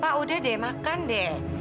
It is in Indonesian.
pak udah deh makan deh